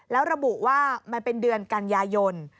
แล้วระบุว่ามันเป็นเดือนกันยายน